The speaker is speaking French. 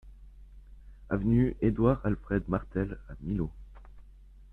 Avenue Édouard-Alfred Martel à Millau